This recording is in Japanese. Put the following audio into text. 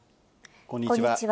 こんにちは。